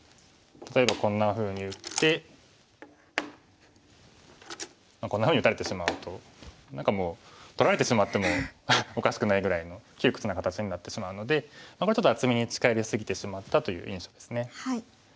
例えばこんなふうに打ってこんなふうに打たれてしまうと何かもう取られてしまってもおかしくないぐらいの窮屈な形になってしまうのでこれはちょっと厚みに近寄り過ぎてしまったという印象ですね。